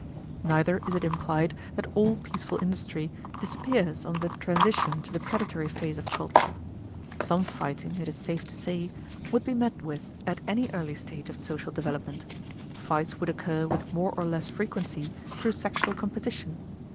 Neither is it implied that all peaceful industry disappears on the transition to the predatory phase of culture. Some fighting, it is safe to say, would be met with at any early stage of social development. Fights would occur with more or less frequency through sexual competition.